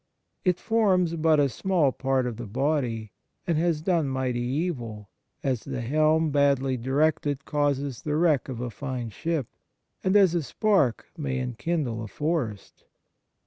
"It forms but a small part of the body, and has done mighty evil : as the helm badly directed causes the wreck of a fine ship, and as a spark may enkindle a forest.